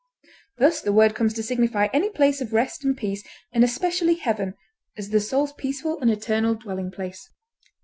Thus the word comes to signify any place of rest and peace, and especially heaven, as the soul's peaceful and eternal dwelling place.